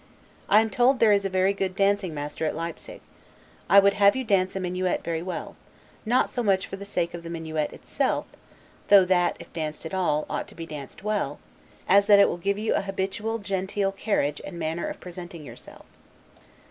I am told there is a very good dancing master at Leipsig. I would have you dance a minuet very well, not so much for the sake of the minuet itself (though that, if danced at all, ought to be danced, well), as that it will give you a habitual genteel carriage and manner of presenting yourself.